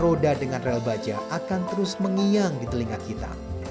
roda dengan rel baja akan terus mengiang di telinga kita